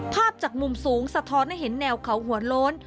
ภาพจากมุมสูงสะท้อนให้เห็นแนวเขาหัวโล้น